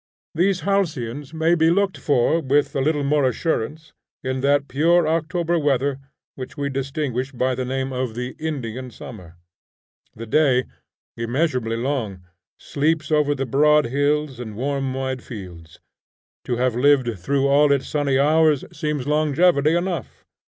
These halcyons may be looked for with a little more assurance in that pure October weather which we distinguish by the name of the Indian summer. The day, immeasurably long, sleeps over the broad hills and warm wide fields. To have lived through all its sunny hours, seems longevity enough.